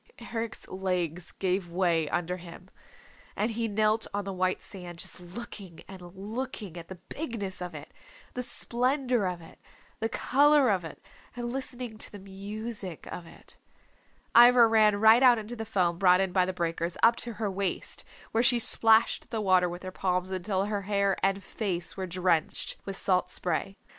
Eric's legs gave way under him, and he knelt on the white sand, just looking and looking at the bigness of it, the splendor of it, the color of it, and listening to the music of it. Ivra ran right out into the foam brought in by the breakers, up to her waist, where she splashed the water with her palms until her hair and face were drenched with salt spray.